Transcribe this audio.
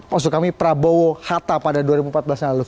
maksud kami prabowo hatta pada dua ribu empat belas lalu